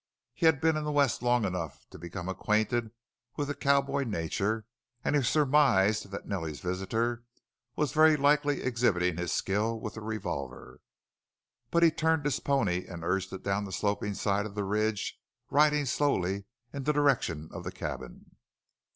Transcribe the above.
He had been in the West long enough to become acquainted with the cowboy nature and he surmised that Nellie's visitor was very likely exhibiting his skill with the revolver. But he turned his pony and urged it down the sloping side of the ridge, riding slowly in the direction of the cabin.